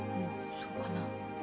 そうかな？